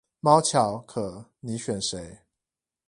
貓巧可你選誰